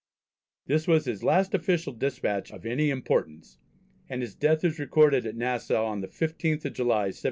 This was his last official despatch of any importance, and his death is recorded at Nassau on the 15th of July, 1732.